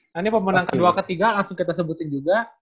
nah ini pemenang kedua ketiga langsung kita sebutin juga